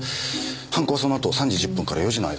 犯行はそのあと３時１０分から４時の間でしょう。